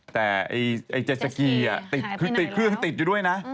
แต่ไอ้เจสสกีย์คือเครื่องติดอยู่ด้วยนะ